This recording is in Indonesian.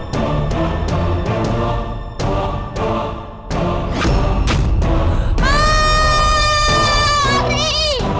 kak tadi dengan nyaris